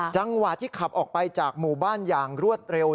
จังหวะที่ขับออกไปจากหมู่บ้านอย่างรวดเร็ว